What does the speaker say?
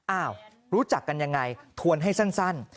อ้าวรู้จักกันยังไงทวนให้สั้น